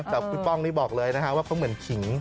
แต่คุณป้องนี่บอกเลยนะคะว่าเขาเหมือนขิง